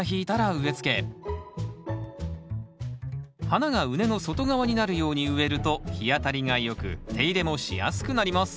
花が畝の外側になるように植えると日当たりが良く手入れもしやすくなります